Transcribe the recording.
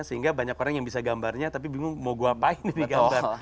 sehingga banyak orang yang bisa gambarnya tapi bingung mau gue apain ini gambar